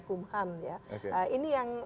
kumham ini yang